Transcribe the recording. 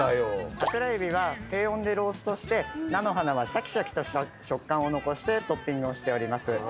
桜エビは低温でローストして菜の花はシャキシャキとした食感を残してトッピングをしております。